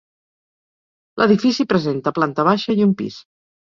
L'edifici presenta planta baixa i un pis.